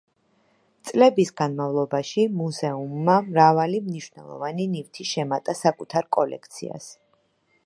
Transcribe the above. წლების განმავლობაში მუზეუმმა მრავალი მნიშვნელოვანი ნივთი შემატა საკუთარ კოლექციას.